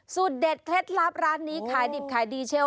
เด็ดเคล็ดลับร้านนี้ขายดิบขายดีเชล